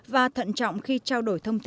và thận trọng khi trao đổi thông tin